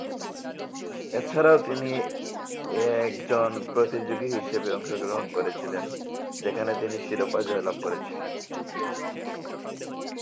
এছাড়াও তিনি ""-এ একজন প্রতিযোগী হিসেবে অংশগ্রহণ করেছিলেন, যেখানে তিনি শিরোপা জয়লাভ করেছিলেন।